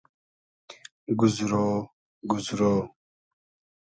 گوزرۉ گوزرۉ